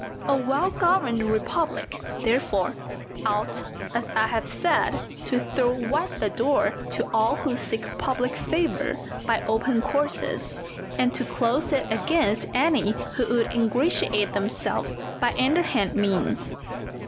A well governed republic, therefore, ought, as I have said, to throw wide the door to all who seek public favour by open courses, and to close it against any who would ingratiate themselves by underhand means.